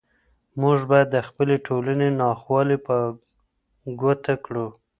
موږ باید د خپلې ټولنې ناخوالې په ګوته کړو.